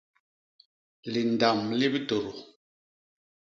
Lindam li bitôdô.